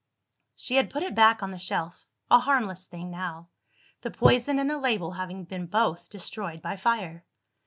She had put it back on the shelf, a harmless thing now the poison and the label having been both destroyed by fire.